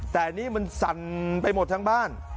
แต่นี่มันสั่นไปหมดทั้งบ้าน